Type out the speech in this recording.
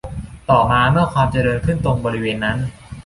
ต่อมาเมื่อมีความเจริญขึ้นตรงบริเวณนั้น